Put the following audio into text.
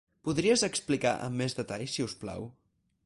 Podries explicar amb més detall si us plau?